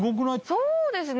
そうですね。